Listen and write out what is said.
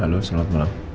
ya halo selamat malam